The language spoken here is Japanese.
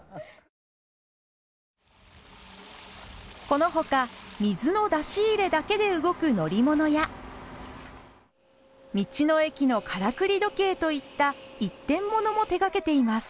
この他水の出し入れだけで動く乗り物や道の駅のからくり時計といった一点物も手掛けています。